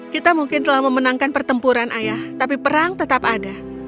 kita mungkin telah memenangkan pertempuran ayah tapi perang tetap ada